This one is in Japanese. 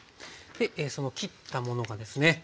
その切ったものがですね